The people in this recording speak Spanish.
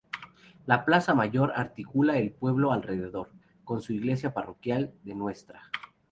La plaza Mayor articula el pueblo alrededor, con su iglesia parroquial de Ntra.